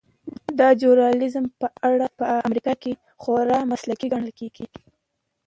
دا ژورنال په امریکا کې خورا مسلکي ګڼل کیږي.